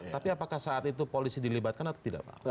tapi apakah saat itu polisi dilibatkan atau tidak pak